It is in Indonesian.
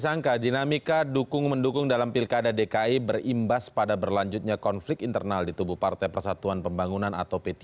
tersangka dinamika dukung mendukung dalam pilkada dki berimbas pada berlanjutnya konflik internal di tubuh partai persatuan pembangunan atau p tiga